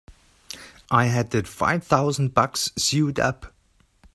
I had that five thousand bucks sewed up!